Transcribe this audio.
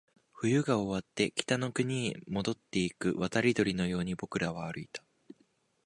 冬が終わって、北の国に戻っていく渡り鳥のように僕らは歩いた